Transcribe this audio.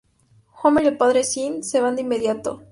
Homer y el Padre Sean se van de inmediato.